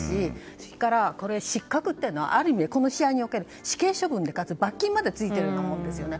それから、失格っていうのはある意味で、この試合における死刑処分でかつ、罰金までついているようなものですよね。